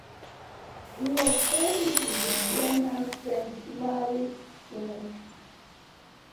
He was buried in the Vienna Saint Marx Cemetery.